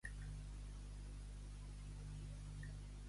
Qui sua, caga, pixa i ho fa tot.